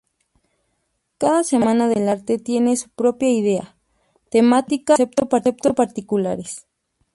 Cada Semana del Arte tiene su propia idea, temática y concepto particulares.